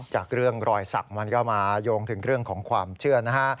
จากเรื่องรอยสักมันก็มาโยงถึงเรื่องของความเชื่อนะฮะ